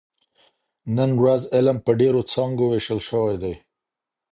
نن ورځ علم په ډېرو څانګو ویشل شوی دی.